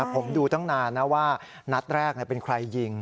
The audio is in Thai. ผมดูตั้งนานนะว่านัดแรกเป็นใครยิง